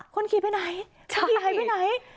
คนขี่ไปไหนไม่มีใครไปไหน